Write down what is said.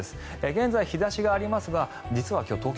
現在、日差しがありますが実は今日、東京